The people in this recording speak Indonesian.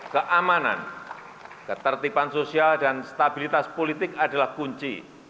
keamanan ketertiban sosial dan stabilitas politik adalah kunci